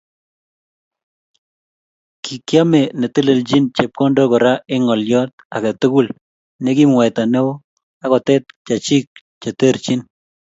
Kikiame netelechin chepkondok Kora eng ngolyo age tugul ne kimwaita neo akotet chechi cheterchin